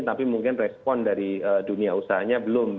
tapi mungkin respon dari dunia usahanya belum